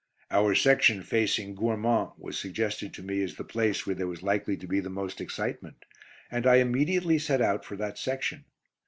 Our section facing Gouerment was suggested to me as the place where there was likely to be the most excitement, and I immediately set out for that section.